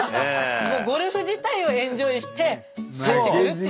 ゴルフ自体をエンジョイして帰ってくるっていう。